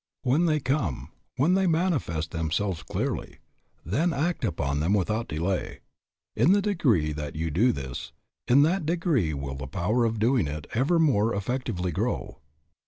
When they come, when they manifest themselves clearly, then act upon them without delay. In the degree that you do this, in that degree will the power of doing it ever more effectively grow.